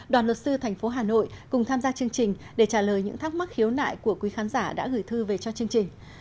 đoàn luật sư thành phố hà nội cùng tham gia chương trình để trả lời những thắc mắc khiếu nại của quý khán giả đã gửi thư về cho chương trình